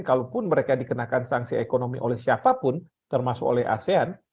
kalaupun mereka dikenakan sanksi ekonomi oleh siapapun termasuk oleh asean